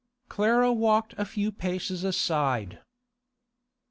Clara walked a few paces aside.